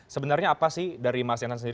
sebenarnya apa sih dari mas yanan sendiri